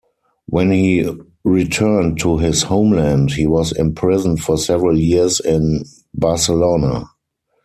When he returned to his homeland, he was imprisoned for several years in Barcelona.